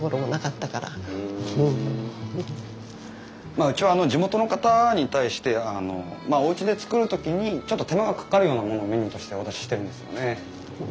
まあうちは地元の方に対しておうちで作る時にちょっと手間がかかるようなものをメニューとしてお出ししてるんですよね。